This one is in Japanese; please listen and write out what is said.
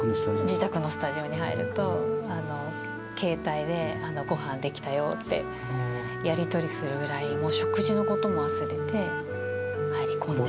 自宅のスタジオに入ると、携帯でごはん出来たよってやり取りするぐらい、もう食事のことも忘れて、入り込んで。